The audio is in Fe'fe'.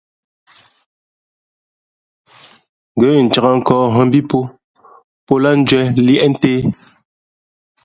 Ngα̌ incāk nkᾱᾱ nhᾱ mbí pō, pō lāh njwēn liēʼ ntē.